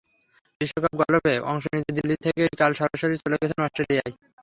বিশ্বকাপ গলফে অংশ নিতে দিল্লি থেকেই কাল সরাসরি চলে গেছেন অস্ট্রেলিয়ায়।